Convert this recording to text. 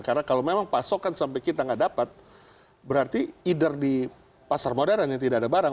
karena kalau memang pasokan sampai kita nggak dapat berarti either di pasar modern yang tidak ada barang